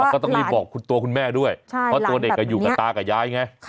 ก็ต้องรีบบอกคุณตัวคุณแม่ด้วยเพราะตัวเด็กอยู่กับตากับยายไง